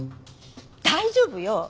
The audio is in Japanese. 大丈夫よ！